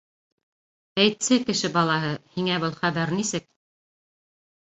Әйтсе, кеше балаһы, һиңә был хәбәр... нисек?